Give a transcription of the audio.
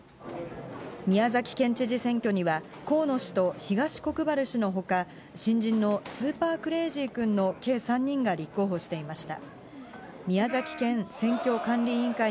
宮崎県知事選挙には、河野氏と東国原氏のほか、新人のスーパークレイジー君の計３人が立候補していました。